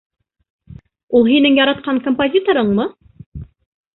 Ул һинең яратҡан композиторыңмы?